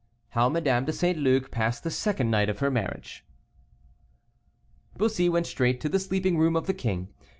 HOW MADAME DE ST. LUC PASSED THE SECOND NIGHT OF HER MARRIAGE. Bussy went straight to the sleeping room of the king.